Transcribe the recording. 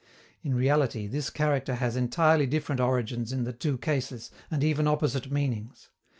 In reality, this character has entirely different origins in the two cases, and even opposite meanings.